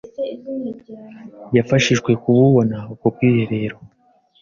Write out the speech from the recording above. yafashijwe kububona ubwo bwiherero